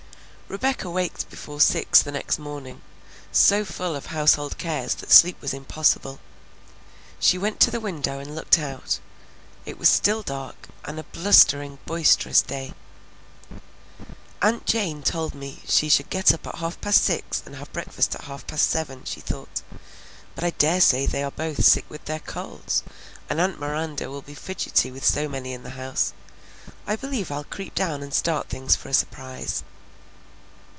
Rebecca waked before six the next morning, so full of household cares that sleep was impossible. She went to the window and looked out; it was still dark, and a blustering, boisterous day. "Aunt Jane told me she should get up at half past six and have breakfast at half past seven," she thought; "but I daresay they are both sick with their colds, and aunt Miranda will be fidgety with so many in the house. I believe I'll creep down and start things for a surprise."